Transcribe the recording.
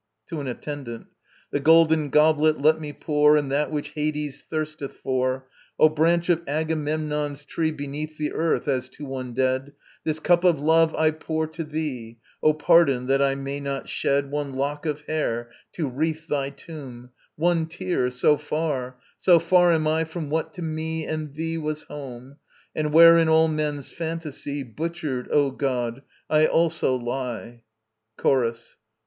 To an ATTENDANT. The golden goblet let me pour, And that which Hades thirsteth for. O branch of Agamemnon's tree Beneath the earth, as to one dead, This cup of love I pour to thee. Oh, pardon, that I may not shed One lock of hair to wreathe thy tomb, One tear: so far, so far am I From what to me and thee was home, And where in all men's fantasy, Butchered, O God! I also lie. CHORUS.